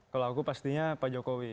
kalau aku pastinya pak jokowi